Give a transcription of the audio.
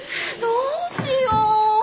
どうしよう。